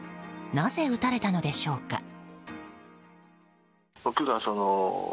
なぜ撃たれたのでしょうか。